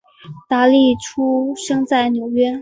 达利出生在纽约。